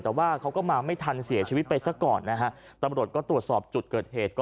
แต่ว่าเขาก็มาไม่ทันเสียชีวิตไปซะก่อนนะฮะตำรวจก็ตรวจสอบจุดเกิดเหตุก็